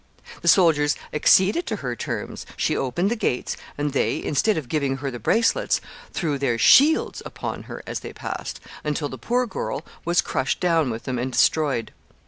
The soldiers acceded to her terms; she opened the gates, and they, instead of giving her the bracelets, threw their shields upon her as they passed, until the poor girl was crushed down with them and destroyed.